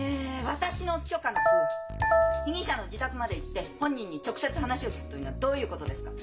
私の許可なく被疑者の自宅まで行って本人に直接話を聞くというのはどういうことですか！？